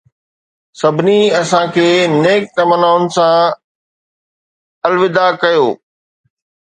سڀني اسان کي نيڪ تمنائن سان الوداع ڪيو